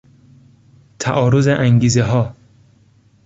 تعارض انگیزهها